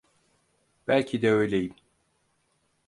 Belki de öyleyim.